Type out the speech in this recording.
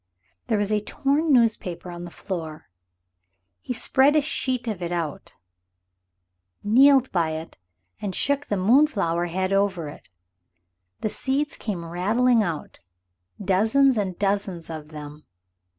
There was a torn newspaper on the floor. He spread a sheet of it out, kneeled by it and shook the moonflower head over it. The seeds came rattling out dozens and dozens of them.